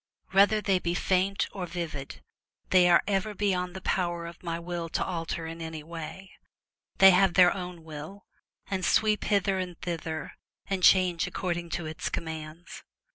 Whether they be faint or vivid, they are ever beyond the power of my will to alter in any way. They have their own will, and sweep hither and thither, and change according to its commands.